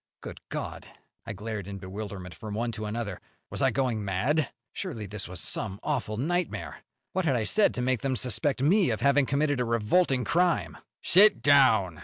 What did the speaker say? Good God! I glared in bewilderment from one to another. Was I going mad? Surely this was some awful nightmare! What had I said to make them suspect me of having committed a revolting crime? "Sit down!"